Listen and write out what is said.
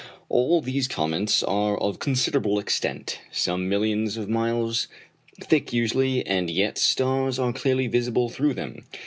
All these comets are of considerable extent some millions of miles thick usually, and yet stars are clearly visible through them.